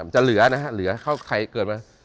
จะเหลือนะครับเขาใครเกิดมา